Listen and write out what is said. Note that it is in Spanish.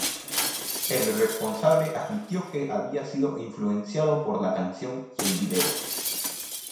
El responsable admitió que había sido influenciado por la canción y el video.